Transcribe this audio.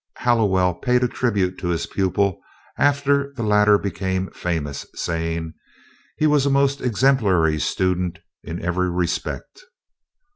Hallowell paid a tribute to his pupil after the latter became famous, saying: "He was a most exemplary student in every respect."